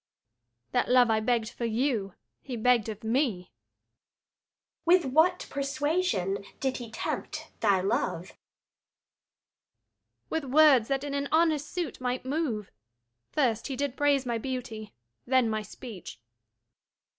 Luc. That love I begg'd for you he begg'd of me. Adr. With what persuasion did he tempt thy love? Luc. With words that in an honest suit might move. First he did praise my beauty, then my speech.